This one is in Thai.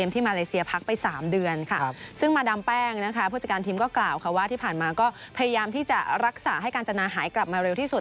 ที่ผ่านมาก็พยายามที่จะรักษาให้การจนาหายกลับมาเร็วที่สุด